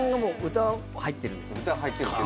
歌入ってる。